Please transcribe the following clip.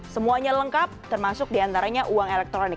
semuanya lengkap termasuk diantaranya uang elektronik